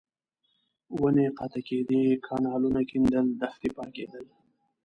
ونې قطع کېدې، کانالونه کېندل، دښتې پاکېدل.